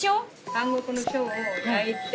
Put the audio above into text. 韓国の塩を焼いて。